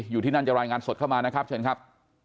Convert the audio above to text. อยู่ที่นั่นจะรายงานสดเข้ามานะครับเชิญครับ